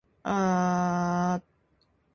apa agunanmu untuk pinjaman sebanyak itu?